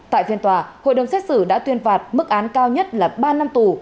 tại phiên tòa hội đồng xét xử đã tuyên phạt mức án cao nhất là ba năm tù